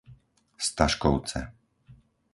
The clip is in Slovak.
Staškovce